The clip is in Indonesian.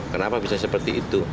kenapa bisa seperti itu